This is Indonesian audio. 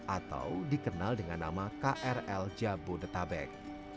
atau dikenal dengan nama krl jabodetabek